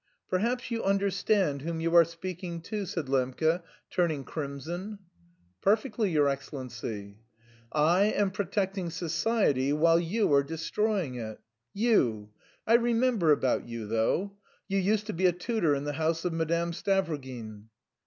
"Perhaps you understand whom you are speaking to?" said Lembke, turning crimson. "Perfectly, your Excellency." "I am protecting society while you are destroying it!... You... I remember about you, though: you used to be a tutor in the house of Madame Stavrogin?"